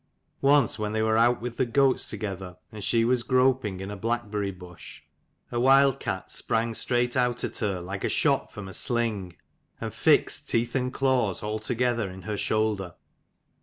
Once when they were out with the goats together, and she was groping in a blackberry bush, a wild cat sprang straight out at her, like a shot from a sling: and fixed teeth and claws all together in her shoulder.